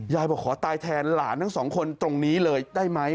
บอกขอตายแทนหลานทั้งสองคนตรงนี้เลยได้ไหม